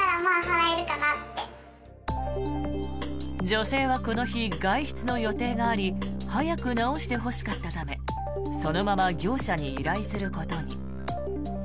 女性はこの日、外出の予定があり早く直してほしかったためそのまま業者に依頼することに。